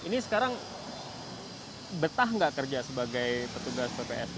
ini sekarang betah nggak kerja sebagai petugas ppsk